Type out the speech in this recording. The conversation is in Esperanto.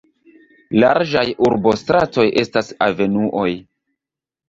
Larĝaj urbostratoj estas avenuoj.